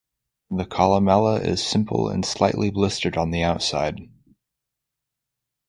The columella is simple and slightly blistered on the outside.